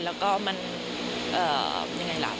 แล้วก็มันยังไงล่ะ